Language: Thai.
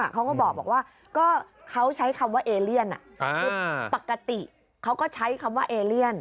เขาก็บอกว่าก็เขาใช้คำว่าเอเลียนคือปกติเขาก็ใช้คำว่าเอเลียน